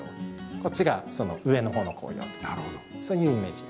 こっちが上のほうの紅葉とかそういうイメージで。